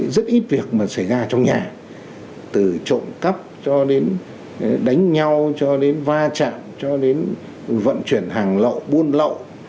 rất ít việc mà xảy ra trong nhà từ trộm cắp cho đến đánh nhau cho đến va chạm cho đến vận chuyển hàng lậu buôn lậu